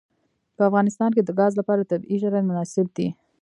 په افغانستان کې د ګاز لپاره طبیعي شرایط مناسب دي.